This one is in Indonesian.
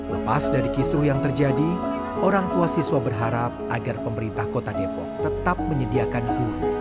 lepas dari kisruh yang terjadi orang tua siswa berharap agar pemerintah kota depok tetap menyediakan guru